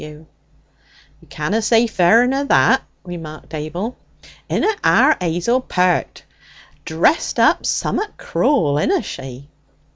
'You canna say fairer nor that,' remarked Abel. 'Inna our 'Azel peart? Dressed up summat cruel inna she?'